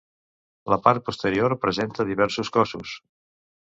La part posterior presenta diversos cossos.